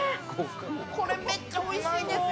これ、めっちゃおいしいんですよ。